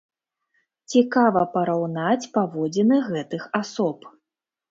Цікава параўнаць паводзіны гэтых асоб.